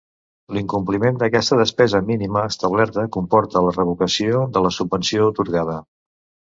L'incompliment d'aquesta despesa mínima establerta comporta la revocació de la subvenció atorgada.